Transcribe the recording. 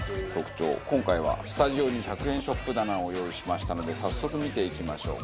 今回はスタジオに１００円ショップ棚を用意しましたので早速見ていきましょう。